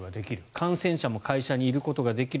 感染者も会社にいることができる